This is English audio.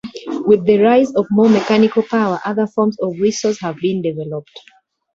With the rise of more mechanical power, other forms of whistles have been developed.